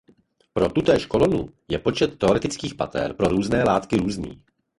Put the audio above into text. Pro tutéž kolonu je počet teoretických pater pro různé látky různý.